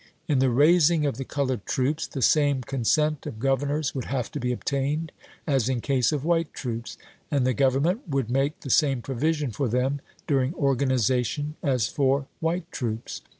In the raising of the colored troops, the same consent of governors would have to be obtained as in case of white troops, and the Government would make the same provision for them, during organization, as for white troops.